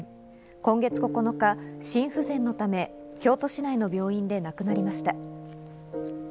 今月９日、心不全のため京都市内の病院で亡くなりました。